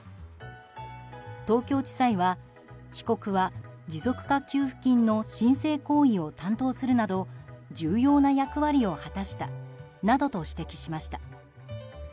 東京地裁は被告は持続化給付金の申請行為を担当するなど重要な役割を果たしたなどと指摘しました。